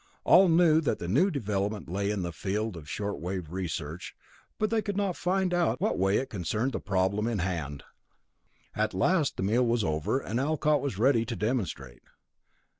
All knew that the new development lay in the field of short wave research, but they could not find out in what way it concerned the problem in hand. At last the meal was over, and Arcot was ready to demonstrate.